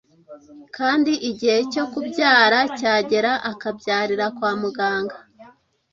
kandi igihe cyo kubyara cyagera akabyarira kwa muganga?